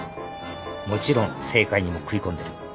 もちろん政界にも食い込んでる。